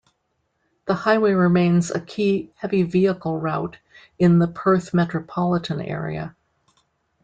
The highway remains a key heavy vehicle route in the Perth metropolitan area.